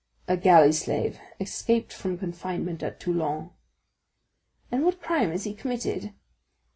"A galley slave, escaped from confinement at Toulon." "And what crime has he committed?"